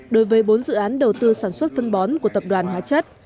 đối với bốn dự án đầu tư sản xuất phân bón của tập đoàn hóa chất